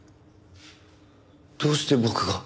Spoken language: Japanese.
どうして僕が？